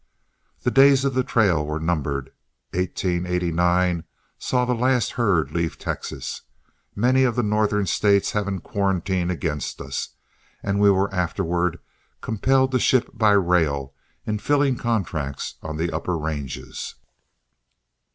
The days of the trail were numbered; 1889 saw the last herd leave Texas, many of the Northern States having quarantined against us, and we were afterward compelled to ship by rail in filling contracts on the upper ranges.